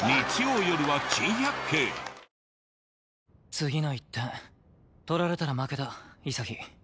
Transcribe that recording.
次の１点取られたら負けだ潔。